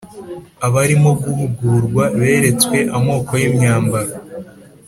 Abarimo guhugurwa beretswe amoko y’imyambaro